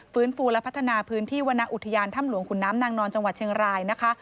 ฟื้นฟูและพัฒนาพื้นที่วรรณอุทยานถ้ำหลวงขุนน้ำนางนอนจังหวัดเชียงรายนะคะ